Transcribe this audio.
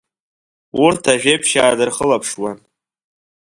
Урҭ ажәеиԥшьаа дырхылаԥшуан.